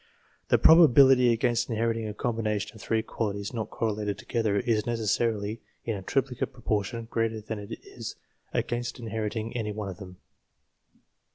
The proba bility against inheriting a combination of three qualities not correlated together, is necessarily in a triplicate pro portion greater than it is against inheriting any one of them.